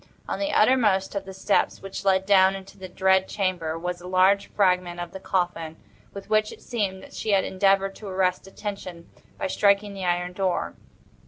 On the uttermost of the steps which led down into the dread chamber was a large fragment of the coffin, with which, it seemed, that she had endeavored to arrest attention by striking the iron door.